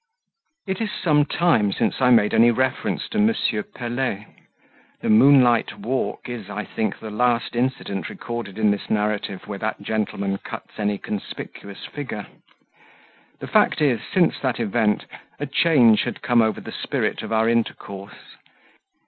It is some time since I made any reference to M. Pelet. The moonlight walk is, I think, the last incident recorded in this narrative where that gentleman cuts any conspicuous figure: the fact is, since that event, a change had come over the spirit of our intercourse.